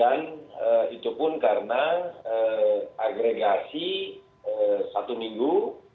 dan itu pun karena agregasi satu minggu